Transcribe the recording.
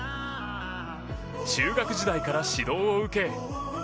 中学時代から指導を受け